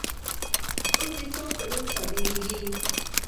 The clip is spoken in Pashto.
اوس د چا په نوم صادریږي؟